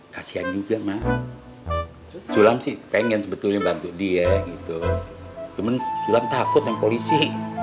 kasian juga mah sulam sih pengen sebetulnya bantu dia gitu cuman culam takut yang polisi